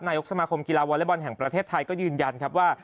นายกสมาคมกีฬาวอเล็กบอลแห่งประเทศไทยก็ยืนยันครับว่า